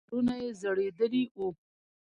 سرونه يې ځړېدلې وو.